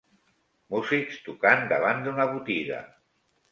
Músics tocant davant d'una botiga